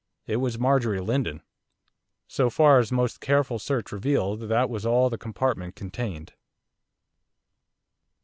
It was Marjorie Lindon. So far as a most careful search revealed, that was all the compartment contained.